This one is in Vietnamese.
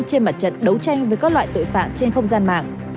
trên mặt trận đấu tranh với các loại tội phạm trên không gian mạng